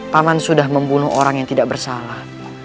paman sudah membunuh orang yang tidak bersalah